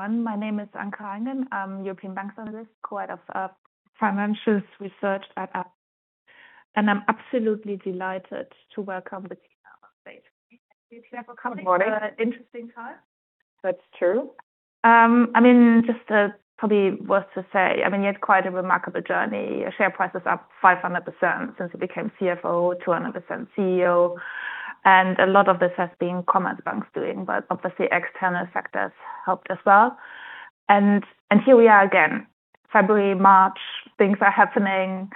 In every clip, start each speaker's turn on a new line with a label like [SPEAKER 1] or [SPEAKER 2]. [SPEAKER 1] Everyone, my name is Anke Reingen. I'm European Banks Analyst, Co-Head of Financials Research at RBC. I'm absolutely delighted to welcome the CFO today. Thank you for coming.
[SPEAKER 2] Good morning.
[SPEAKER 1] An interesting time.
[SPEAKER 2] That's true.
[SPEAKER 1] I mean, just, probably worth to say, I mean, you had quite a remarkable journey. Share price is up 500% since you became CFO, 200% CEO. A lot of this has been Commerzbank's doing, but obviously external factors helped as well. Here we are again, February, March, things are happening.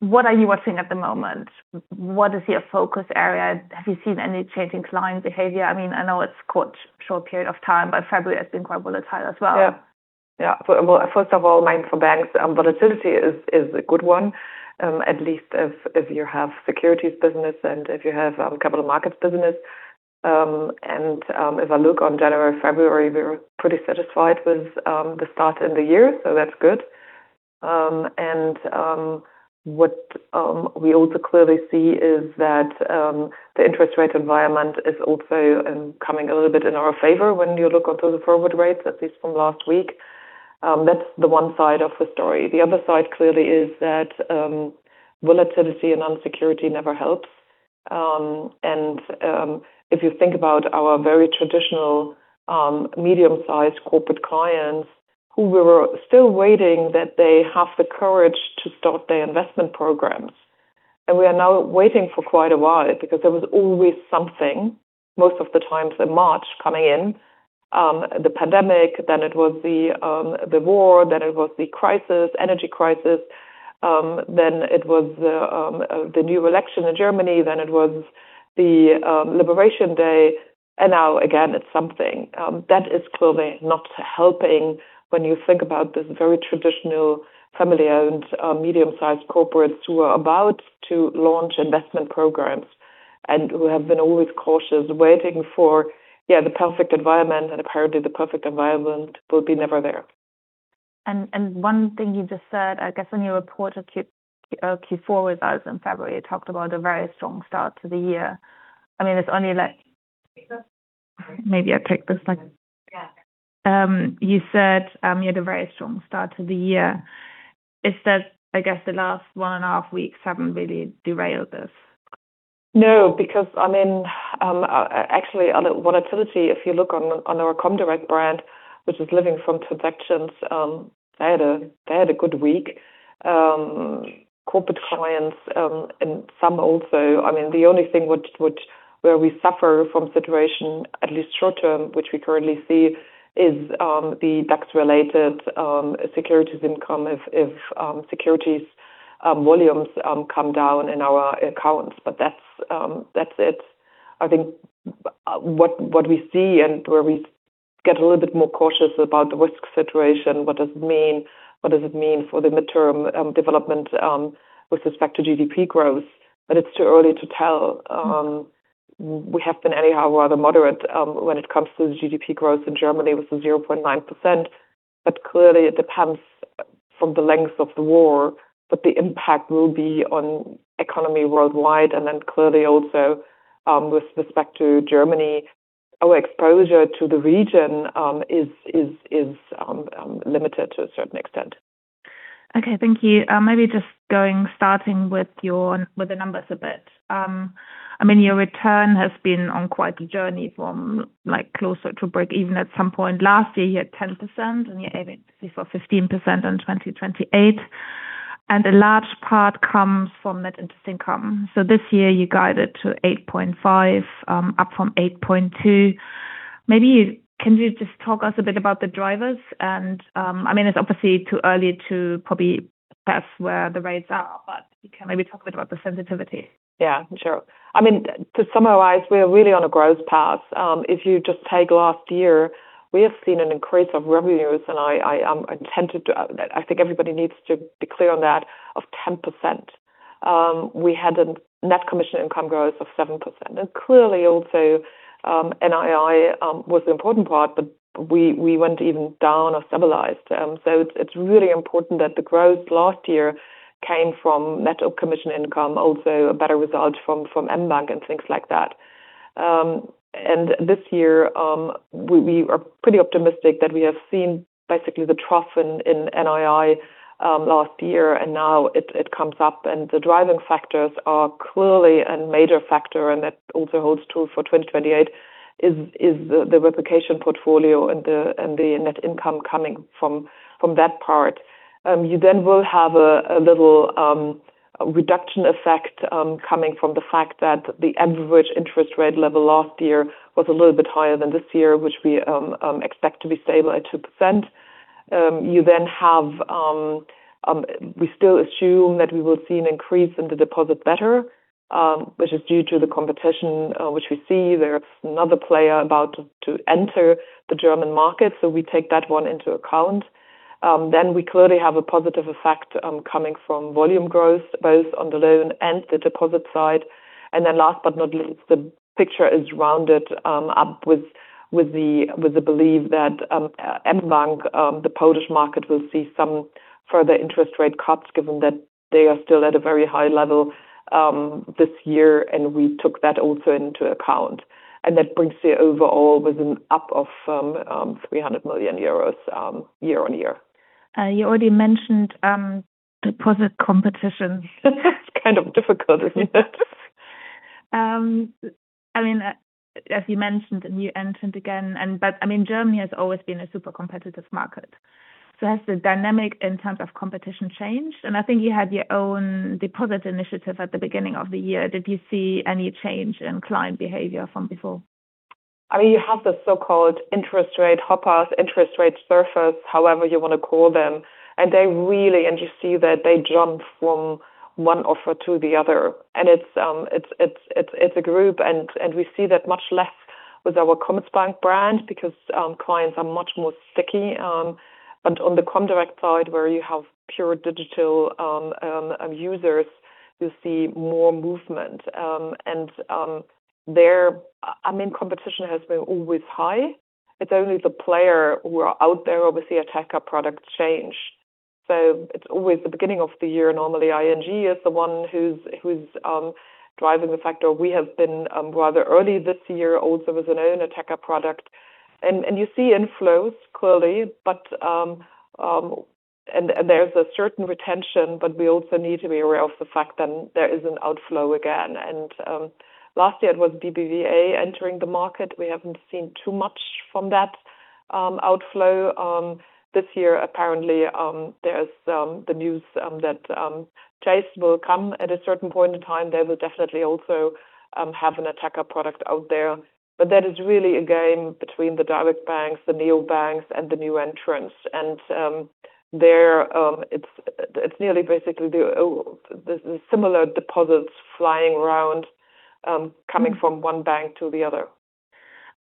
[SPEAKER 1] What are you watching at the moment? What is your focus area? Have you seen any change in client behavior? I mean, I know it's short period of time, but February has been quite volatile as well.
[SPEAKER 2] Well, first of all, volatility is a good one, at least if you have securities business and if you have capital markets business. If I look at January, February, we're pretty satisfied with the start in the year, so that's good. What we also clearly see is that the interest rate environment is also coming a little bit in our favor when you look at the forward rates, at least from last week. That's the one side of the story. The other side clearly is that volatility and uncertainty never helps. If you think about our very traditional medium-sized corporate clients who we were still waiting that they have the courage to start their investment programs. We are now waiting for quite a while because there was always something most of the times in March coming in, the pandemic, then it was the war, then it was the crisis, energy crisis, then it was the new election in Germany, then it was Liberation Day. Now again, it's something that is clearly not helping when you think about this very traditional family-owned medium-sized corporates who are about to launch investment programs and who have been always cautious waiting for the perfect environment, and apparently the perfect environment will be never there.
[SPEAKER 1] One thing you just said, I guess in your report of Q4 with us in February, you talked about a very strong start to the year. I mean, it's only like you said, you had a very strong start to the year. It says, I guess the last one and a half weeks haven't really derailed this.
[SPEAKER 2] No, because I mean, actually on the volatility, if you look on our comdirect brand, which is living from transactions, they had a good week. Corporate clients, and some also. I mean, the only thing where we suffer from situation, at least short-term, which we currently see is the DAX-related securities income if securities volumes come down in our accounts. That's it. I think, what we see and where we get a little bit more cautious about the risk situation, what does it mean? What does it mean for the mid-term development with respect to GDP growth? It's too early to tell. We have been anyhow rather moderate, when it comes to the GDP growth in Germany with the 0.9%. Clearly it depends from the length of the war, but the impact will be on economy worldwide. Then clearly also, with respect to Germany, our exposure to the region, is limited to a certain extent.
[SPEAKER 1] Okay. Thank you. Maybe starting with your numbers a bit. I mean, your return has been on quite a journey from like closer to break even at some point last year, you had 10% and you're aiming for 15% in 2028, and a large part comes from that interest income. This year you guided to 8.5, up from 8.2. Maybe can you just talk to us a bit about the drivers and, I mean, it's obviously too early to probably guess where the rates are, but you can maybe talk a bit about the sensitivity.
[SPEAKER 2] Yeah, sure. I mean, to summarize, we are really on a growth path. If you just take last year, we have seen an increase of revenues, and I think everybody needs to be clear on that of 10%. We had a net commission income growth of 7%. Clearly also, NII was the important part, but we went even down or stabilized. It's really important that the growth last year came from net commission income, also a better result from mBank and things like that. This year, we are pretty optimistic that we have seen basically the trough in NII last year, and now it comes up, and the driving factors are clearly a major factor, and that also holds true for 2028, is the replication portfolio and the net income coming from that part. You then will have a little reduction effect coming from the fact that the average interest rate level last year was a little bit higher than this year, which we expect to be stable at 2%. We still assume that we will see an increase in the deposit beta, which is due to the competition, which we see. There's another player about to enter the German market, so we take that one into account. We clearly have a positive effect coming from volume growth both on the loan and the deposit side. Last but not least, the picture is rounded up with the belief that mBank, the Polish market will see some further interest rate cuts given that they are still at a very high level this year, and we took that also into account, and that brings the overall NII up by EUR 300 million year-over-year.
[SPEAKER 1] You already mentioned deposit competition.
[SPEAKER 2] It's kind of difficult, if you notice.
[SPEAKER 1] I mean, as you mentioned, a new entrant, I mean, Germany has always been a super competitive market. Has the dynamic in terms of competition changed? I think you had your own deposit initiative at the beginning of the year. Did you see any change in client behavior from before?
[SPEAKER 2] I mean, you have the so-called interest rate hoppers, interest rate surfers, however you wanna call them, and you see that they jump from one offer to the other. It's a group, and we see that much less with our Commerzbank brand because clients are much more sticky. But on the comdirect side, where you have pure digital users, you see more movement. I mean, competition has been always high. It's only the players who are out there with the attractive product changes. It's always the beginning of the year. Normally, ING is the one who's driving the pack. We have been rather early this year also with our own attractive product. You see inflows clearly, but. There's a certain retention, but we also need to be aware of the fact that there is an outflow again. Last year it was BBVA entering the market. We haven't seen too much from that outflow. This year, apparently, there's the news that Chase will come at a certain point in time. They will definitely also have an attractive product out there. That is really a game between the direct banks, the neobanks, and the new entrants. It's nearly basically the similar deposits flying around, coming from one bank to the other.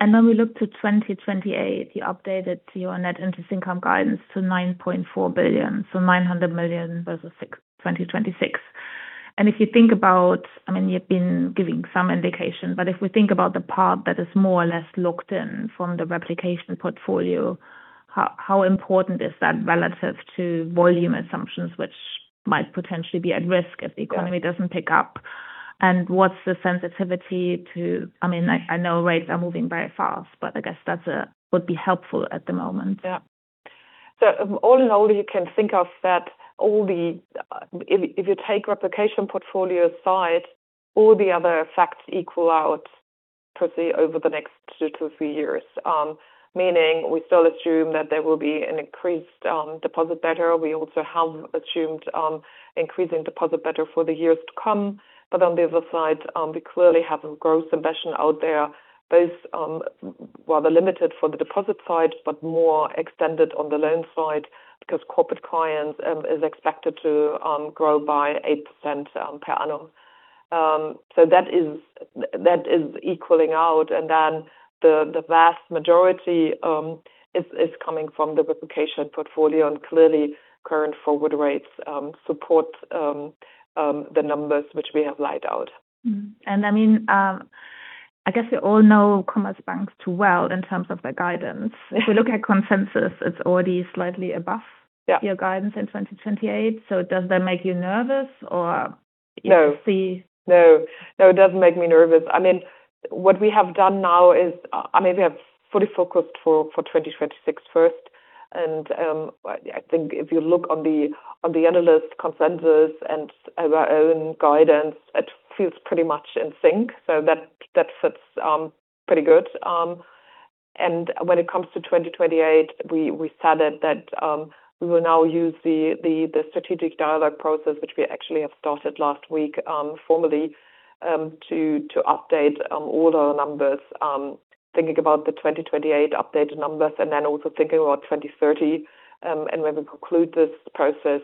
[SPEAKER 1] When we look to 2028, you updated your net interest income guidance to 9.4 billion, so 900 million versus 2026. If you think about, I mean, you've been giving some indication, but if we think about the part that is more or less locked in from the replication portfolio, how important is that relative to volume assumptions, which might potentially be at risk if the economy doesn't pick up? What's the sensitivity to, I mean, I know rates are moving very fast, but I guess that would be helpful at the moment.
[SPEAKER 2] Yeah. All in all, you can think of that if you take replication portfolio aside, all the other effects equal out probably over the next two to three years. Meaning we still assume that there will be an increased deposit beta. We also have assumed increasing deposit beta for the years to come. On the other side, we clearly have a growth ambition out there, both rather limited for the deposit side, but more extended on the loan side because corporate clients is expected to grow by 8% per annum. That is equaling out. Then the vast majority is coming from the replication portfolio, and clearly current forward rates support the numbers which we have laid out.
[SPEAKER 1] I mean, I guess we all know Commerzbank too well in terms of the guidance. If we look at consensus, it's already slightly above.
[SPEAKER 2] Yeah.
[SPEAKER 1] your guidance in 2028. Does that make you nervous or-
[SPEAKER 2] No.
[SPEAKER 1] You see.
[SPEAKER 2] No. No, it doesn't make me nervous. I mean, what we have done now is, I mean, we have fully focused for 2026 first. I think if you look on the analyst consensus and our own guidance, it feels pretty much in sync. That fits pretty good. When it comes to 2028, we said that we will now use the strategic dialogue process, which we actually have started last week formally, to update all our numbers, thinking about the 2028 updated numbers and then also thinking about 2030. When we conclude this process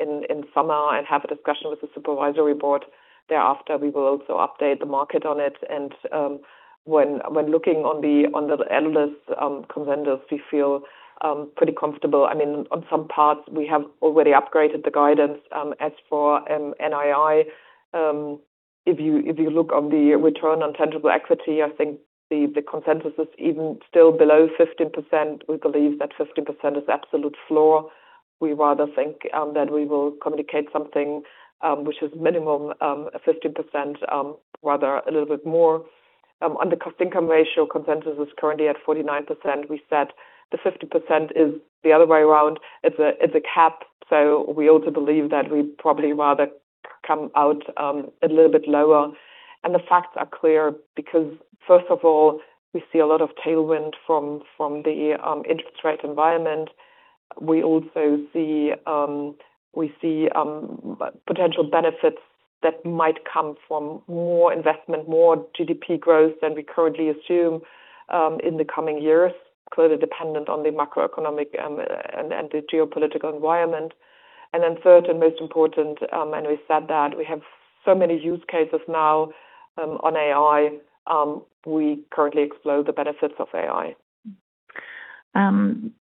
[SPEAKER 2] in summer and have a discussion with the supervisory board thereafter, we will also update the market on it. When looking on the analyst consensus, we feel pretty comfortable. I mean, on some parts, we have already upgraded the guidance as for NII. If you look on the return on tangible equity, I think the consensus is even still below 15%. We believe that 15% is absolute floor. We rather think that we will communicate something which is minimum 15%, rather a little bit more. On the cost-income ratio, consensus is currently at 49%. We said the 50% is the other way around. It's a cap. We also believe that we probably rather come out a little bit lower. The facts are clear because first of all, we see a lot of tailwind from the interest rate environment. We also see potential benefits that might come from more investment, more GDP growth than we currently assume, in the coming years, clearly dependent on the macroeconomic, and the geopolitical environment. Then third and most important, and we said that we have so many use cases now, on AI. We currently explore the benefits of AI.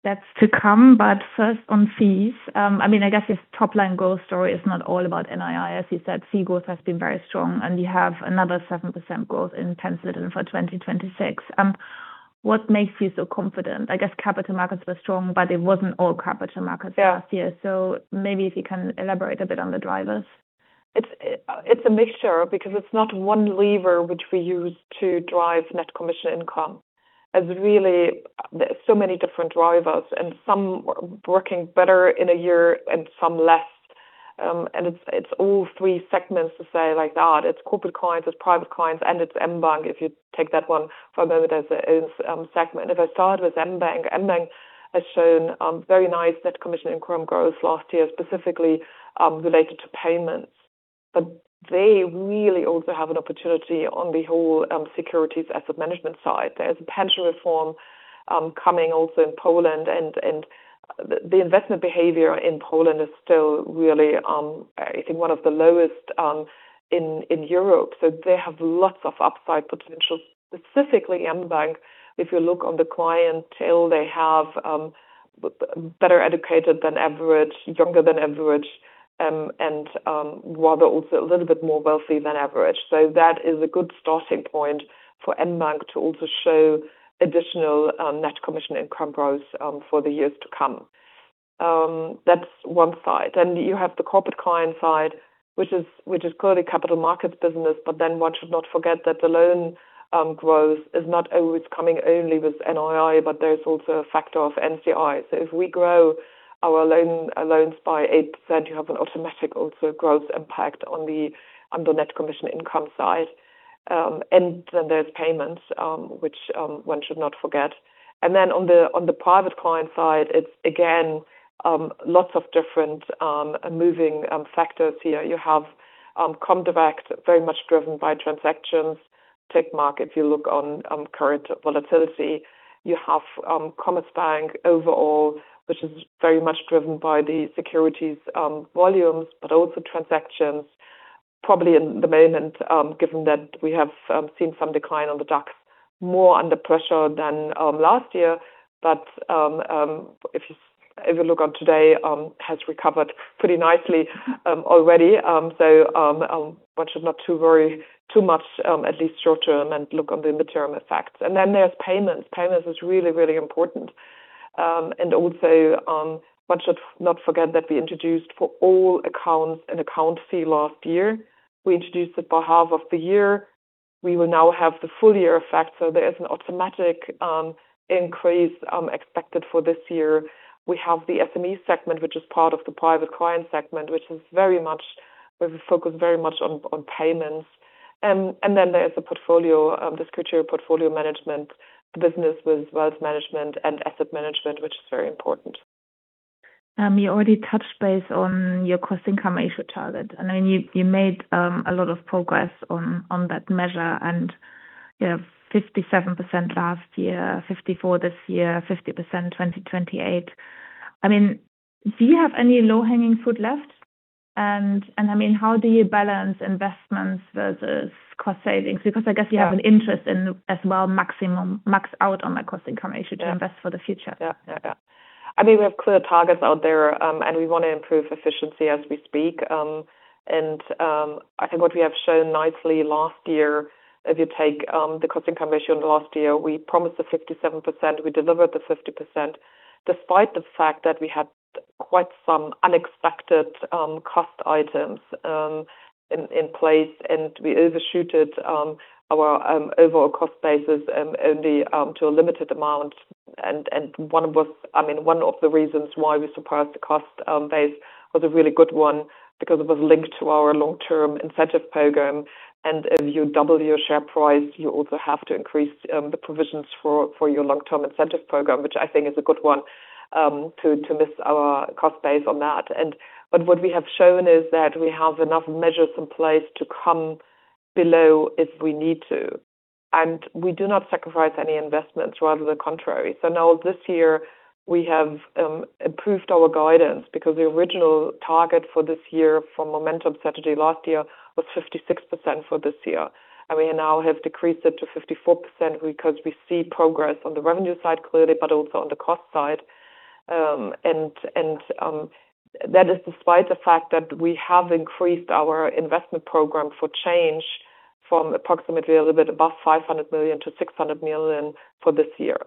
[SPEAKER 1] That's to come. First on fees, I mean, I guess this top-line growth story is not all about NII. As you said, fee growth has been very strong, and we have another 7% growth targeted for 2026. What makes you so confident? I guess capital markets were strong, but it wasn't all capital markets last year.
[SPEAKER 2] Yeah.
[SPEAKER 1] Maybe if you can elaborate a bit on the drivers.
[SPEAKER 2] It's a mixture because it's not one lever which we use to drive net commission income. As really, there are so many different drivers and some working better in a year and some less. It's all three segments to say like that. It's corporate clients, it's private clients, and it's mBank, if you take that one for a moment as a segment. If I start with mBank has shown very nice net commission income growth last year, specifically related to payments. But they really also have an opportunity on the whole securities asset management side. There's a pension reform coming also in Poland and the investment behavior in Poland is still really I think one of the lowest in Europe. They have lots of upside potential, specifically mBank. If you look on the client tail, they have better educated than average, younger than average, and rather also a little bit more wealthy than average. That is a good starting point for mBank to also show additional net commission income growth for the years to come. That's one side. You have the corporate client side, which is clearly capital markets business. One should not forget that the loan growth is not always coming only with NII, but there's also a factor of NCI. If we grow our loans by 8%, you have an automatic also growth impact on the net commission income side. There's payments, which one should not forget. On the private client side, it's again lots of different moving factors here. You have comdirect very much driven by transactions. The market if you look on current volatility. You have Commerzbank overall, which is very much driven by the securities volumes, but also transactions probably in the moment, given that we have seen some decline on the DAX more under pressure than last year. If you look on today, has recovered pretty nicely already. One should not worry too much, at least short term and look on the midterm effects. There's payments. Payments is really, really important. One should not forget that we introduced for all accounts an account fee last year. We introduced it for half of the year. We will now have the full year effect, so there is an automatic increase expected for this year. We have the SME segment, which is part of the private client segment, which is very much we focus very much on payments. Then there's the portfolio, the discretionary portfolio management business with wealth management and asset management, which is very important.
[SPEAKER 1] You already touched base on your cost-income ratio target. I mean, you made a lot of progress on that measure and, you know, 57% last year, 54% this year, 50% 2028. I mean, do you have any low-hanging fruit left? I mean, how do you balance investments versus cost savings? Because I guess you have an interest in as well maximum, max out on that cost-income ratio to invest for the future.
[SPEAKER 2] Yeah. I mean, we have clear targets out there, and we want to improve efficiency as we speak. I think what we have shown nicely last year, if you take the cost-income ratio in the last year, we promised the 57%, we delivered the 50%, despite the fact that we had quite some unexpected cost items in place, and we overshooted our overall cost basis only to a limited amount. One of the reasons why we surpassed the cost base was a really good one because it was linked to our long-term incentive program. If you double your share price, you also have to increase the provisions for your long-term incentive program, which I think is a good one, to meet our cost base on that. What we have shown is that we have enough measures in place to come below if we need to, and we do not sacrifice any investments, rather the contrary. Now this year, we have improved our guidance because the original target for this year for momentum strategy last year was 56% for this year. We now have decreased it to 54% because we see progress on the revenue side clearly, but also on the cost side. That is despite the fact that we have increased our investment program for change from approximately a little bit above 500 million to 600 million for this year.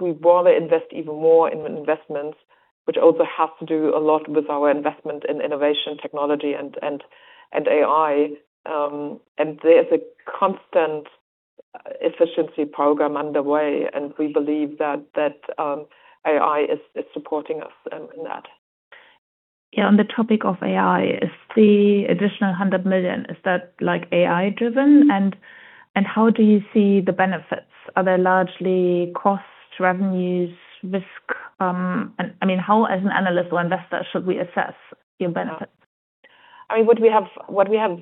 [SPEAKER 2] We want to invest even more in investments, which also have to do a lot with our investment in innovative technology and AI. There's a constant efficiency program underway, and we believe that AI is supporting us in that.
[SPEAKER 1] Yeah. On the topic of AI, is the additional 100 million, is that like AI-driven? How do you see the benefits? Are they largely cost, revenues, risk? I mean, how as an analyst or investor should we assess your benefits?
[SPEAKER 2] I mean, what we have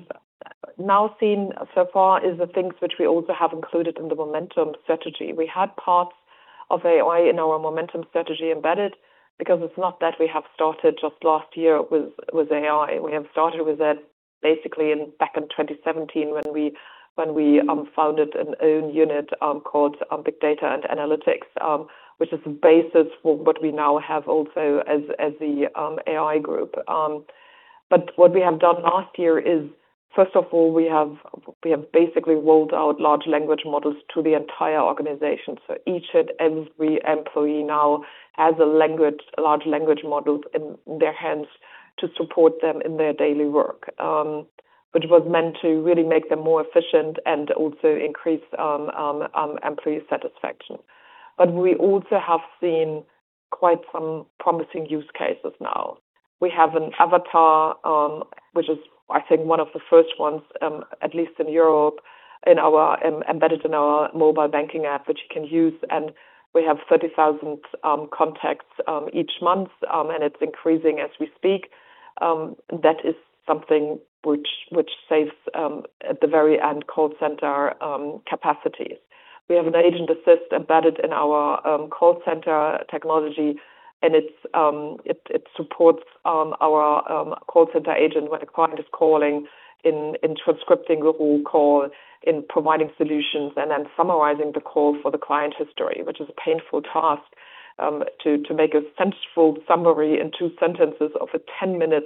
[SPEAKER 2] now seen so far is the things which we also have included in the momentum strategy. We had parts of AI in our momentum strategy embedded because it's not that we have started just last year with AI. We have started with it basically back in 2017 when we founded an own unit called Big Data and Analytics, which is the basis for what we now have also as the AI group. What we have done last year is first of all, we have basically rolled out large language models to the entire organization. Each and every employee now has a large language model in their hands to support them in their daily work, which was meant to really make them more efficient and also increase employee satisfaction. We also have seen quite some promising use cases now. We have an avatar, which is, I think one of the first ones, at least in Europe, embedded in our mobile banking app, which you can use, and we have 30,000 contacts each month, and it's increasing as we speak. That is something which saves, at the very end call center capacities. We have an agent assist embedded in our call center technology, and it supports our call center agent when a client is calling in transcribing the whole call, in providing solutions, and then summarizing the call for the client history, which is a painful task to make a sensible summary in two sentences of a ten-minute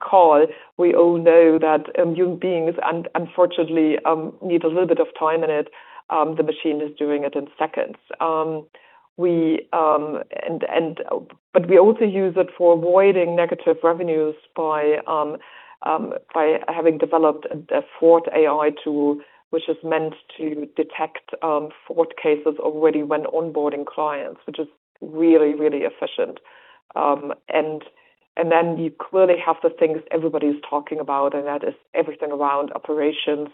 [SPEAKER 2] call. We all know that human beings unfortunately need a little bit of time in it. The machine is doing it in seconds. We also use it for avoiding negative revenues by having developed a fraud AI tool, which is meant to detect fraud cases already when onboarding clients, which is really, really efficient. Then you clearly have the things everybody's talking about, and that is everything around operations,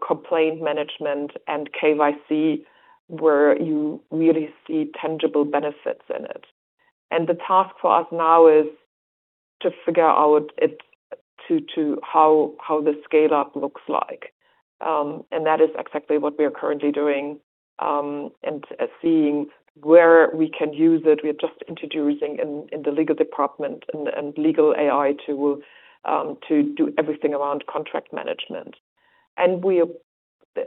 [SPEAKER 2] complaint management and KYC, where you really see tangible benefits in it. The task for us now is to figure out how the scale-up looks like. That is exactly what we are currently doing, and seeing where we can use it. We are just introducing in the legal department and legal AI to do everything around contract management.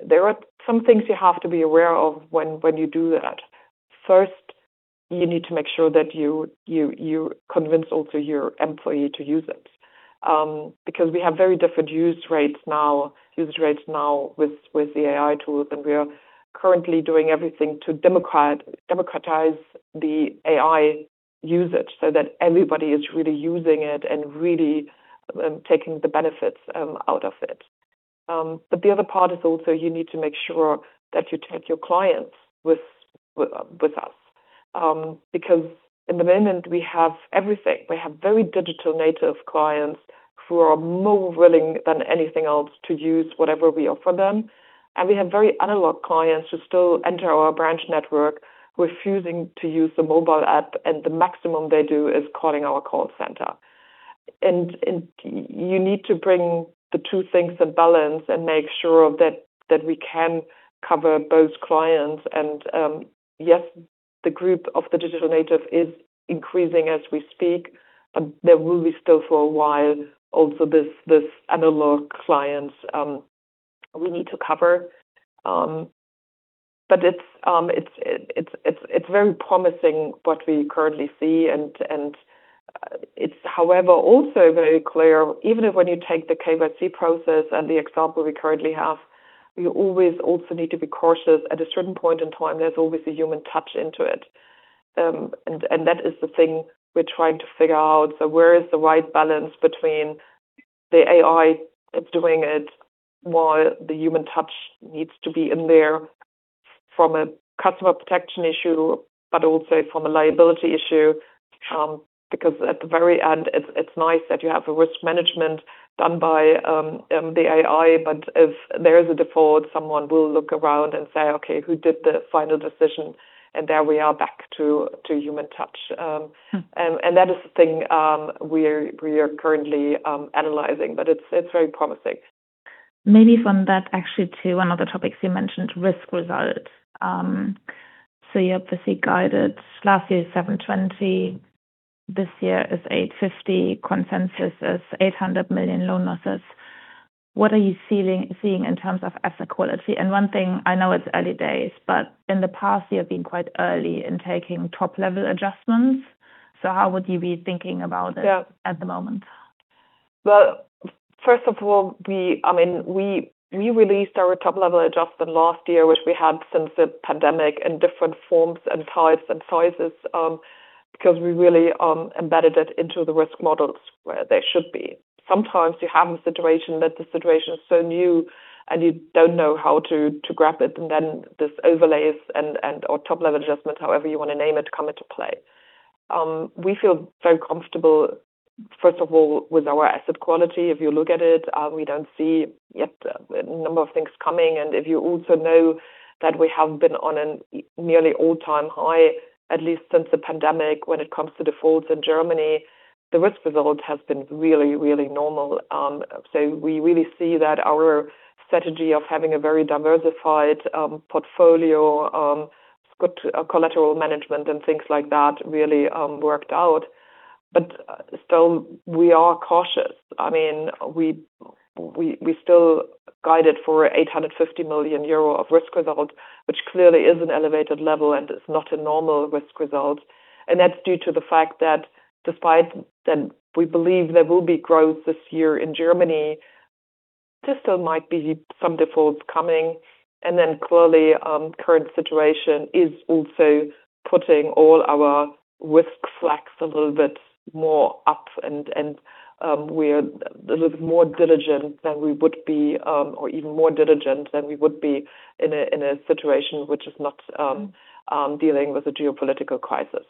[SPEAKER 2] There are some things you have to be aware of when you do that. First, you need to make sure that you convince also your employee to use it. Because we have very different usage rates now with the AI tools, and we are currently doing everything to democratize the AI usage so that everybody is really using it and really taking the benefits out of it. But the other part is also you need to make sure that you take your clients with us. Because at the moment we have everything. We have very digital native clients who are more willing than anything else to use whatever we offer them. We have very analog clients who still enter our branch network refusing to use the mobile app, and the maximum they do is calling our call center. You need to bring the two things in balance and make sure that we can cover both clients. Yes, the group of the digital native is increasing as we speak. There will be still for a while also this analog clients we need to cover. It's very promising what we currently see. It's, however, also very clear, even if when you take the KYC process and the example we currently have, you always also need to be cautious. At a certain point in time, there's always a human touch into it. That is the thing we're trying to figure out. Where is the right balance between the AI doing it while the human touch needs to be in there from a customer protection issue, but also from a liability issue? Because at the very end, it's nice that you have a risk management done by the AI, but if there is a default, someone will look around and say, "Okay, who did the final decision?" There we are back to human touch. That is the thing, we are currently analyzing, but it's very promising.
[SPEAKER 1] Maybe from that actually to one of the topics you mentioned, risk results. You obviously guided last year 720 million, this year is 850 million. Consensus is 800 million loan losses. What are you seeing in terms of asset quality? One thing I know it's early days, but in the past, you have been quite early in taking top-level adjustments. How would you be thinking about it?
[SPEAKER 2] Yeah.
[SPEAKER 1] At the moment?
[SPEAKER 2] Well, first of all, I mean, we released our top-level adjustment last year, which we had since the pandemic in different forms and types and sizes, because we really embedded it into the risk models where they should be. Sometimes you have a situation that the situation is so new and you don't know how to grab it, and then this overlays and/or top-level adjustments, however you want to name it, come into play. We feel very comfortable, first of all, with our asset quality. If you look at it, we don't see yet a number of things coming. If you also know that we have been on a nearly all-time high, at least since the pandemic, when it comes to defaults in Germany, the risk result has been really normal. We really see that our strategy of having a very diversified portfolio, collateral management and things like that really worked out. Still, we are cautious. I mean, we still guided for 850 million euro of risk result, which clearly is an elevated level, and it's not a normal risk result. That's due to the fact that despite that, we believe there will be growth this year in Germany, there still might be some defaults coming. Clearly, current situation is also putting all our risk slacks a little bit more up and, we're a little more diligent than we would be, or even more diligent than we would be in a situation which is not dealing with a geopolitical crisis.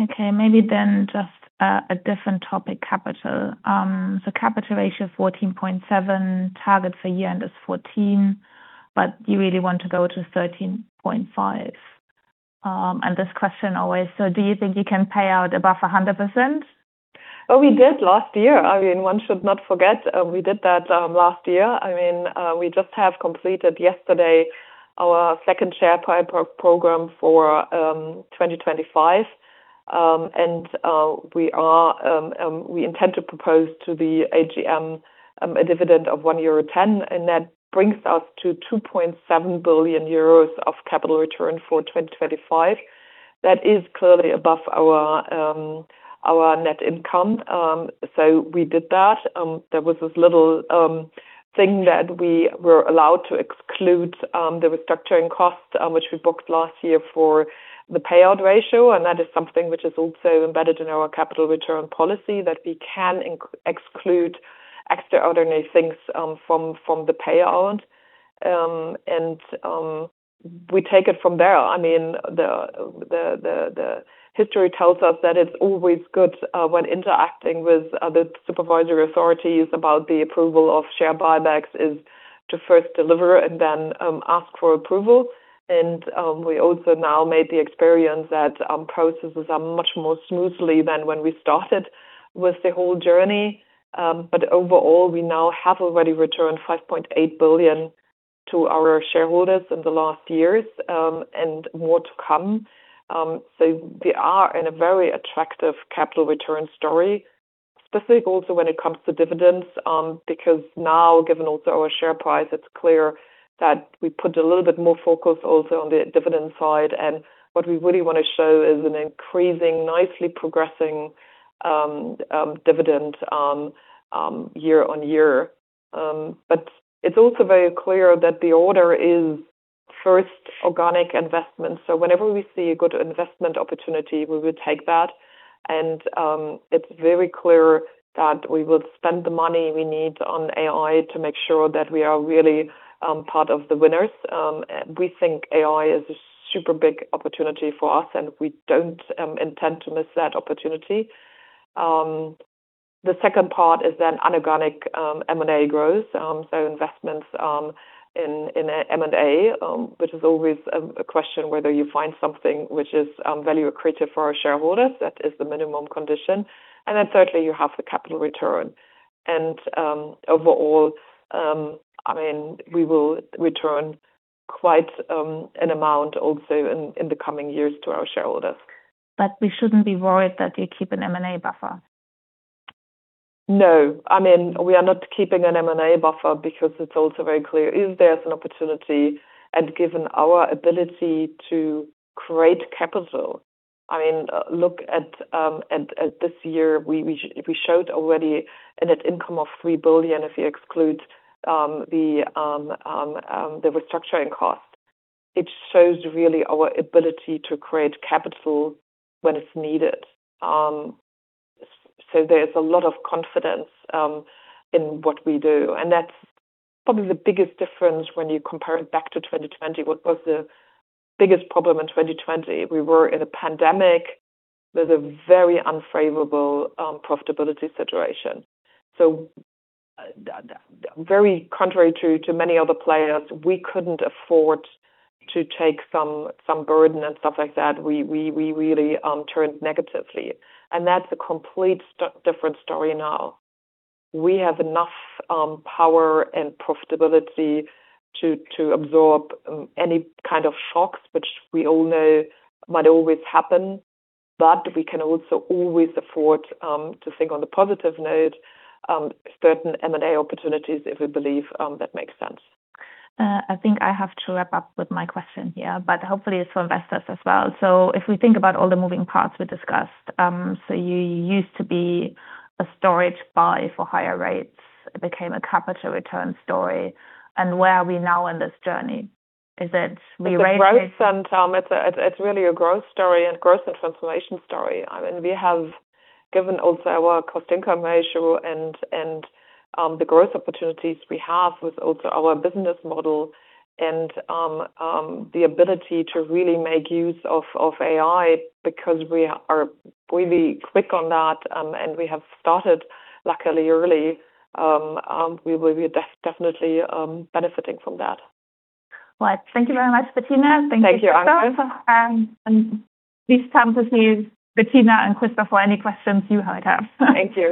[SPEAKER 1] Okay, maybe then just a different topic, capital. The capital ratio 14.7, target for year-end is 14, but you really want to go to 13.5. This question always. Do you think you can pay out above 100%?
[SPEAKER 2] Oh, we did last year. I mean, one should not forget, we did that, last year. I mean, we just have completed yesterday our second share buyback program for 2025. We intend to propose to the AGM a dividend of 1.10 euro, and that brings us to 2.7 billion euros of capital return for 2025. That is clearly above our net income. We did that. There was this little thing that we were allowed to exclude the restructuring costs, which we booked last year for the payout ratio, and that is something which is also embedded in our capital return policy, that we can exclude extraordinary things from the payout. We take it from there. I mean, history tells us that it's always good when interacting with other supervisory authorities about the approval of share buybacks is to first deliver and then ask for approval. We also now made the experience that processes are much more smoothly than when we started with the whole journey. Overall, we now have already returned 5.8 billion to our shareholders in the last years, and more to come. We are in a very attractive capital return story, specific also when it comes to dividends, because now, given also our share price, it's clear that we put a little bit more focus also on the dividend side. What we really want to show is an increasing, nicely progressing dividend year on year. It's also very clear that the order is first organic investment. So whenever we see a good investment opportunity, we will take that. It's very clear that we will spend the money we need on AI to make sure that we are really part of the winners. We think AI is a super big opportunity for us, and we don't intend to miss that opportunity. The second part is an inorganic M&A growth, so investments in M&A, which is always a question whether you find something which is value accretive for our shareholders. That is the minimum condition. Thirdly, you have the capital return. Overall, I mean, we will return quite an amount also in the coming years to our shareholders.
[SPEAKER 1] We shouldn't be worried that you keep an M&A buffer.
[SPEAKER 2] No. I mean, we are not keeping an M&A buffer because it's also very clear if there's an opportunity and given our ability to create capital. I mean, look at this year, we showed already a net income of 3 billion, if you exclude the restructuring costs. It shows really our ability to create capital when it's needed. So there's a lot of confidence in what we do. That's probably the biggest difference when you compare it back to 2020. What was the biggest problem in 2020? We were in a pandemic with a very unfavorable profitability situation. So very contrary to many other players, we couldn't afford to take some burden and stuff like that. We really turned negatively. That's a complete different story now. We have enough power and profitability to absorb any kind of shocks which we all know might always happen. We can also always afford to think on the positive note certain M&A opportunities if we believe that makes sense.
[SPEAKER 1] I think I have to wrap up with my question here, but hopefully it's for investors as well. If we think about all the moving parts we discussed, you used to be a strong buy for higher rates. It became a capital return story. Where are we now in this journey? Is it we raise-
[SPEAKER 2] It's a growth and it's really a growth story and transformation story. I mean, we have given also our cost-income ratio and the growth opportunities we have with also our business model and the ability to really make use of AI because we are really quick on that and we have started luckily early. We will be definitely benefiting from that.
[SPEAKER 1] Well, thank you very much, Bettina.
[SPEAKER 2] Thank you.
[SPEAKER 1] Thank you. Please come to see Bettina and Christopher for any questions you might have.
[SPEAKER 2] Thank you.